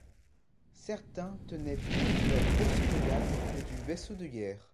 Certains tenaient plus de la grosse frégate que du vaisseau de guerre.